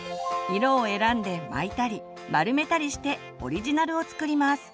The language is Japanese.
色を選んで巻いたり丸めたりしてオリジナルを作ります。